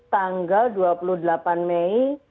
tanggal dua puluh delapan mei